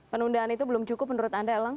penundaan itu belum cukup menurut anda elang